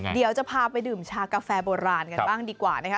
เดี๋ยวจะพาไปดื่มชากาแฟโบราณกันบ้างดีกว่านะคะ